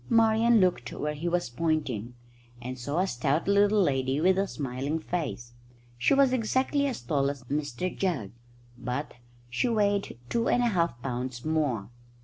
Marian looked where he was pointing, and saw a stout little lady with a smiling face. She was exactly as tall as Mr Jugg, but she weighed two and a half pounds more.